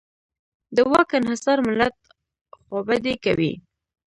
د واک انحصار ملت خوابدی کوي.